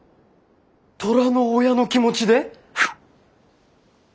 虎の親の気持ちで？